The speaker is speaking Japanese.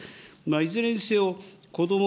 いずれにせよこども・